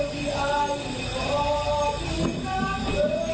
มือเผื่อเผื่อรัก